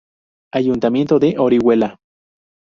Ayuntamiento de Orihuela.